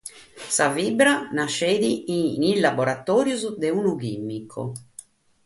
Sa fibra nascheit in sos laboratòrios de unu chìmicu.